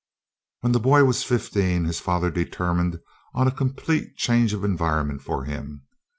When the boy was fifteen, his father determined on a complete change of environment for him.